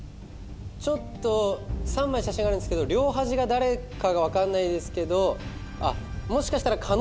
ちょっと３枚写真があるんですけど両端が誰かが分かんないですけどあっ